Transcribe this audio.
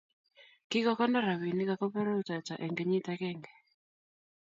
kiko konor robinik akobo rutoiyoto eng kenyit agange